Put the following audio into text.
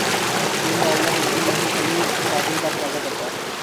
پھر معاملہ جزوی نہیں، کلی تقابل کا تقاضا کرتا ہے۔